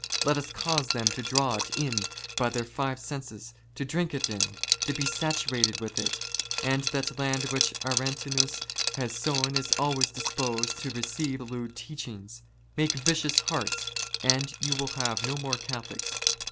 Let us cause them to draw it m by their five " senses ; to drink it in ; to be saturated with it ; and that land ^' which Aretinus has sown is always disposed to receive lewd " teachings. Make vicious hearts, and you will have no more " Catholics.